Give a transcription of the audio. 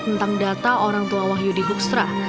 tentang data orang tua wahyudi bukstra